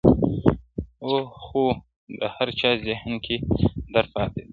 o خو د هر چا ذهن کي درد پاته وي,